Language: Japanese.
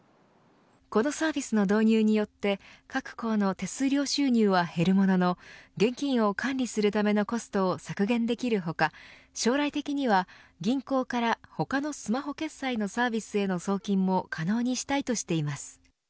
このサービスの導入によって各行の手数料収入は減るものの現金を管理するためのコストを削減できる他、将来的には銀行から他のスマホ決済のサービスへの送金も可能にしたいとしています。